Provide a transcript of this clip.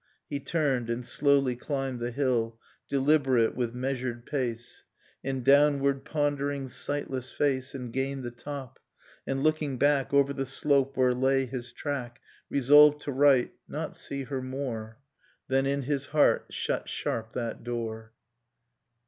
. He turned; and slowly climbed the hill, Deliberate, with measured pace, And downward pondering sightless face. And gained the top; and looking back. Over the slope where lay his track, Resolved to write, — not see her more; Then, in his heart, shut sharp that door.